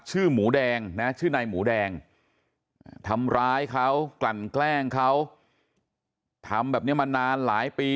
หมูแดงนะชื่อนายหมูแดงทำร้ายเขากลั่นแกล้งเขาทำแบบนี้มานานหลายปี